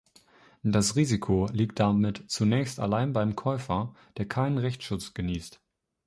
Das Risiko liegt damit zunächst allein beim Käufer, der keinen Rechtsschutz genießt.